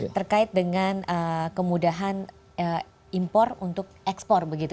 terkait dengan kemudahan impor untuk ekspor begitu